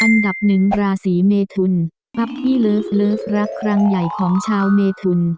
อันดับหนึ่งราศีเมทุนพักที่เลิฟเลิฟรักครั้งใหญ่ของชาวเมทุน